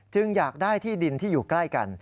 อยากได้ที่ดินที่อยู่ใกล้กัน